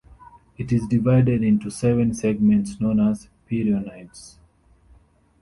It is divided into seven segments known as pereonites.